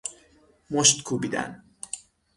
مشت کوبیدن